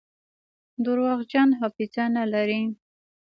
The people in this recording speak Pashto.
درواغجن حافظه نلري.